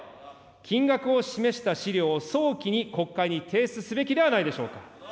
金額を示した資料を早期に国会に提出すべきではないでしょうか。